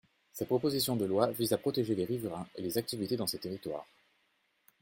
Cette proposition de loi vise à protéger les riverains et les activités dans ces territoires.